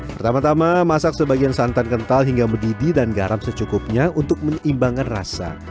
pertama tama masak sebagian santan kental hingga mendidih dan garam secukupnya untuk menyeimbangkan rasa